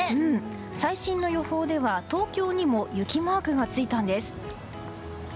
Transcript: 最新の予報では東京にも雪マークがついたんです。